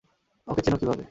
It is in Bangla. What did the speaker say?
ওকে চেনো কীভাবে?